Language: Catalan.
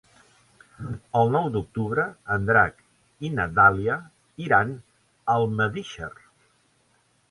El nou d'octubre en Drac i na Dàlia iran a Almedíxer.